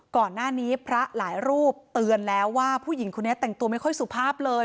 ก่อนหน้านี้พระหลายรูปเตือนแล้วว่าผู้หญิงคนนี้แต่งตัวไม่ค่อยสุภาพเลย